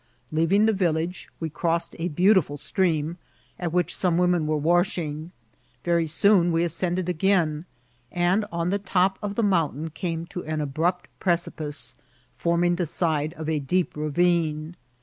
Leaving the village, we cross ed a beautifel stream, at whteh some women were washp ing. Very soon we ascended again, and on tbe top dT the mountaxB came to an abrupt pareeipice, £o«ning the side of a deep ravine.